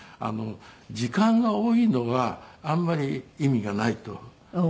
「時間が多いのはあんまり意味がない」と。